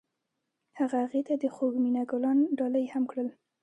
هغه هغې ته د خوږ مینه ګلان ډالۍ هم کړل.